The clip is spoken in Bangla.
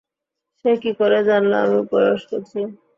সে কি করে জানলো আমি উপবাস করেছি?